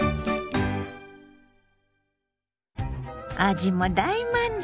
味も大満足！